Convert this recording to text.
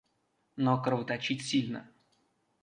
Но кровоточит сильно.